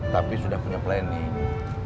tapi sudah punya planning